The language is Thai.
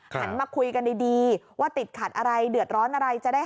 หันมาคุยกันดีว่าติดขัดอะไรเดือดร้อนอะไรจะได้